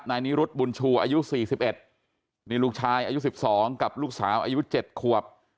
นายนิรุธบุญชูอายุ๔๑นี่ลูกชายอายุ๑๒กับลูกสาวอายุ๗ขวบ